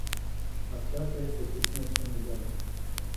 Aceasta este o chestiune extrem de gravă.